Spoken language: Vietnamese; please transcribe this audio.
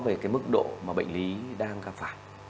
về cái mức độ mà bệnh lý đang gặp phải